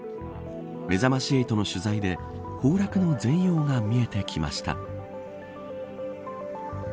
めざまし８の取材で崩落の全容が見えてきました。